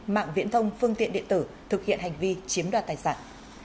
mạng viễn thông phương tiện điện tử thực hiện hành vi chiếm đoạt tài sản